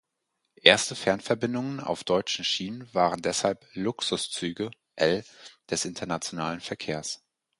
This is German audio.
Erste Fernverbindungen auf deutschen Schienen waren deshalb „Luxuszüge“ (L) des internationalen Verkehrs.